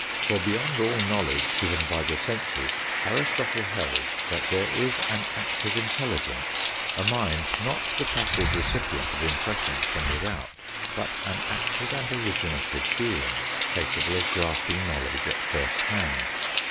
For beyond all knowledge given by the : senses Aristotle held that there is an active intelligence, a mind not the passive recipient of impressions from without, but an active and originative being, capable of grasping knowledge at first hand.